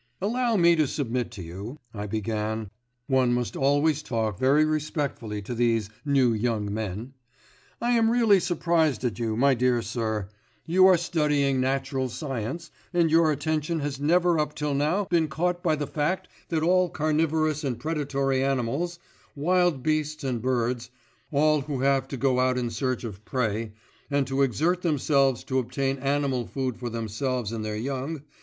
"Allow me to submit to you," I began, one must always talk very respectfully to these "new young men" "I am really surprised at you, my dear sir; you are studying natural science, and your attention has never up till now been caught by the fact that all carnivorous and predatory animals wild beasts and birds all who have to go out in search of prey, and to exert themselves to obtain animal food for themselves and their young